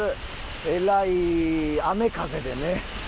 えらい雨風でね。